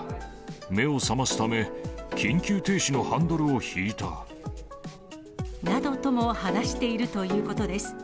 目を覚ますため、緊急停止のハンなどとも話しているということです。